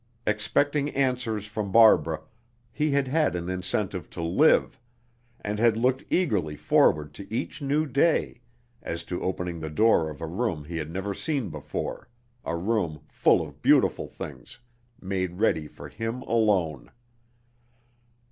Expecting answers from Barbara, he had had an incentive to live, and had looked eagerly forward to each new day, as to opening the door of a room he had never seen before, a room full of beautiful things, made ready for him alone.